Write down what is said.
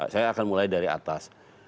saya akan mulai dari atas